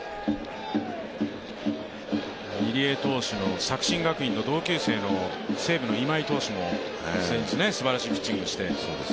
入江投手の作新高校の同級生の西武の今井投手も先日、すばらしいピッチングをして。